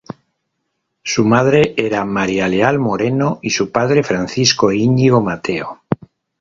Su madre era María Leal Moreno y su padre Francisco Íñigo Mateo.